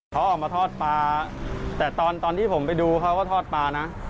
เขาออกมาทอดปลาแต่ตอนที่ผมไปดูเขาก็ทอดปลานะ